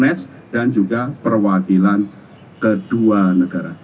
match dan juga perwakilan kedua negara